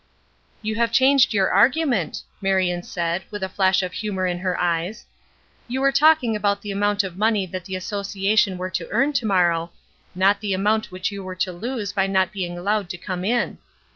"You have changed your argument," Marion said, with a flash of humor in her eyes. "You were talking about the amount of money that the Association were to earn to morrow, not the amount which you were to lose by not being allowed to come in.